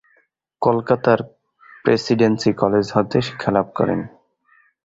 কলকাতার Presidency College হতে শিক্ষালাভ করেন।